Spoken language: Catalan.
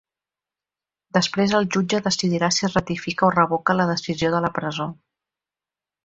Després el jutge decidirà si ratifica o revoca la decisió de la presó.